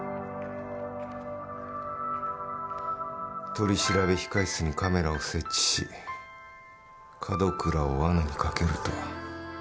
取調控室にカメラを設置し門倉を罠にかけるとは。